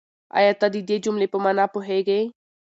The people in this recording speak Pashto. آيا ته د دې جملې په مانا پوهېږې؟